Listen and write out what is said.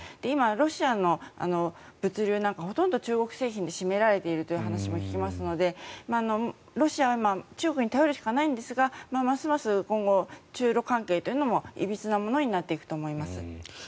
今、ロシアの物流なんかはほとんど中国製品で占められているという話も聞きますのでロシアは中国に頼るしかないんですがますます今後、中ロ関係もいびつなものになっていくと思います。